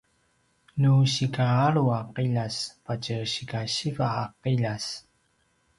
nu sikaalu a qiljas patje sikasiva a qiljas